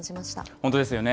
本当ですよね。